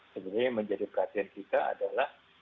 sebenarnya yang menjadi perhatian kita adalah